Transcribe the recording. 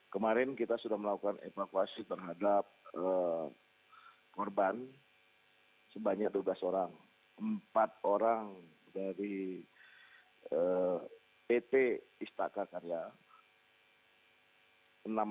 kemarin kita sudah melakukan evakuasi terhadap korban sebanyak dua belas orang empat orang dari pt istaka karya